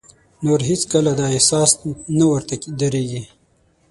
نور هېڅ کله دا احساس نه ورته درېږي.